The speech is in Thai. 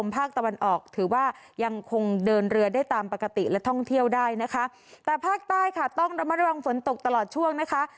ภาคใต้ค่ะต้องระมัดระวังฝนตกตลอดช่วงนะคะ